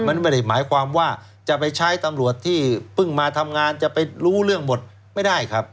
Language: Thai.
มันไม่ได้หมายความว่าจะไปใช้ตำรวจที่เพิ่งมาทำงานจะไปรู้เรื่องหมดไม่ได้ครับ